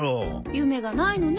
夢がないのね。